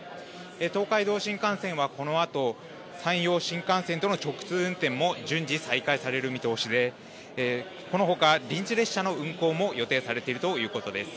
東海道新幹線はこのあと山陽新幹線との直通運転も順次、再開される見通しでこのほか臨時列車の運行も予定されているということです。